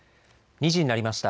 ２時になりました。